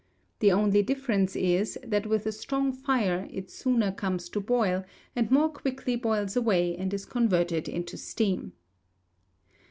The only difference is, that with a strong fire it sooner comes to boil, and more quickly boils away, and is converted into steam."